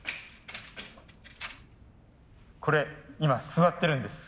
これ今座ってるんです。